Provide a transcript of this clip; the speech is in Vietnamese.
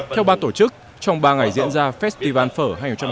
theo ban tổ chức trong ba ngày diễn ra festival phở hai nghìn hai mươi bốn